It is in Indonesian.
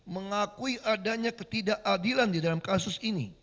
mengakui adanya ketidakadilan di dalam kasus ini